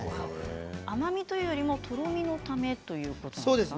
甘みというよりもとろみのためなんですね。